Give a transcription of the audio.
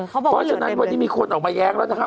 เพราะฉะนั้นวันนี้มีคนออกมาแย้งแล้วนะคะ